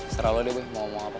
sera lu deh boy mau ngomong apa